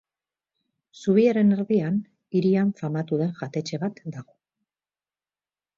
Zubiaren erdian, hirian famatu den jatetxe bat dago.